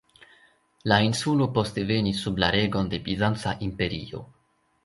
La insulo poste venis sub la regon de Bizanca imperio.